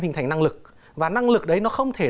hình thành năng lực và năng lực đấy nó không thể